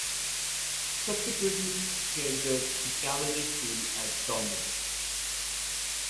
Subsequently, he entered the cavalry school at Saumur.